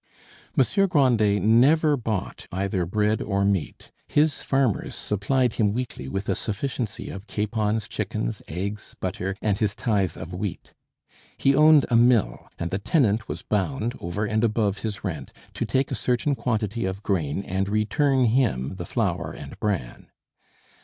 Monsieur Grandet never bought either bread or meat. His farmers supplied him weekly with a sufficiency of capons, chickens, eggs, butter, and his tithe of wheat. He owned a mill; and the tenant was bound, over and above his rent, to take a certain quantity of grain and return him the flour and bran.